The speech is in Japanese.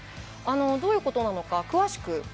どういうことなのか詳しく。